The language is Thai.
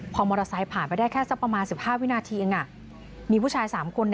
พอมอเตอร์ไซค์ผ่านไปได้แค่สักประมาณ๑๕วินาทีเองมีผู้ชาย๓คน